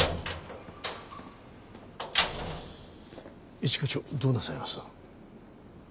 一課長どうなさいます？